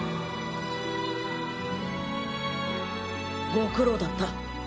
ご苦労だった。